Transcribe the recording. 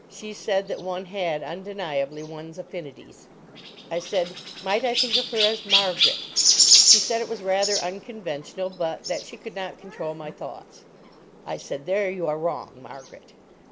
She said that one had, undeniably, one's affinities. I said, "Might I think of her as 'Margaret'?" She said it was rather unconventional, but that she could not control my thoughts. I said, "There you are wrong—Margaret."